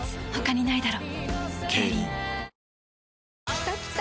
きたきた！